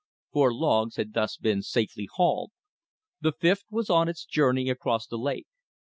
Four logs had thus been safely hauled. The fifth was on its journey across the lake.